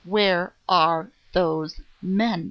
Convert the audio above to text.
"Where are those men?"